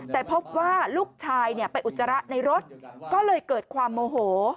แต่พบว่าลูกชายไปอุจจาระในรถก็เลยเกิดความโมโห